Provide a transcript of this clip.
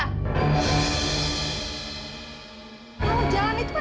kamis jalan itu pake mata dong